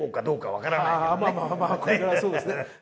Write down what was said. まあまあまあこれからそうですね。